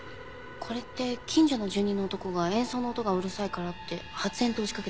これって近所の住人の男が演奏の音がうるさいからって発煙筒を仕掛けた事件ですよね？